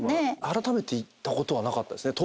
あらためて行ったことはなかったですね